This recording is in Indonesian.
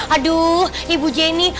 aduh ibu jenny